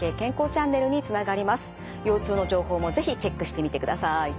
腰痛の情報も是非チェックしてみてください。